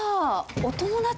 お友達？